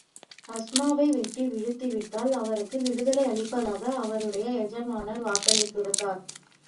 ஹம்ஸாவை வெட்டி வீழ்த்தி விட்டால், அவருக்கு விடுதலை அளிப்பதாக, அவருடைய எஜமானர் வாக்களித்திருந்தார்.